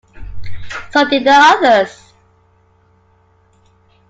So did the others.